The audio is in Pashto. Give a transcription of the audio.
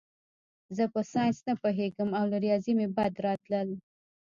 زه په ساینس نه پوهېږم او له ریاضي مې بد راتلل